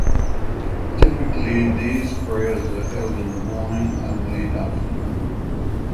Typically these prayers are held in the morning and late afternoon.